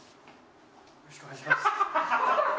よろしくお願いします。